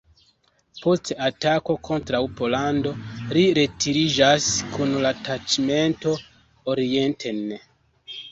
Post atako kontraŭ Pollando li retiriĝas kun la taĉmento orienten.